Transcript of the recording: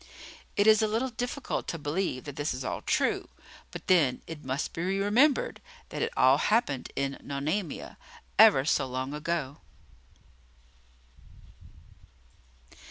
It is a little difficult to believe that this is all true; but then, it must be remembered that it all happened in Nonamia, ever so long ago!